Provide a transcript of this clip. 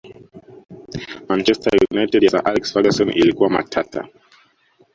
manchester united ya sir alex ferguson ilikuwa matata